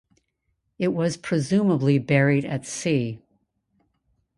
It was presumably buried at sea.